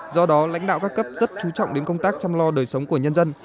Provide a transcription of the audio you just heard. do đó lãnh đạo các cấp rất chú trọng đến công tác chăm lo đời sống của nhân dân